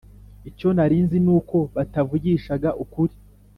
icyo narinzi nuko batavugishaga ukuri